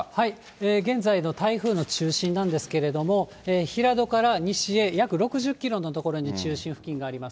現在の台風の中心なんですけれども、平戸から西へ約６０キロの所に中心付近があります。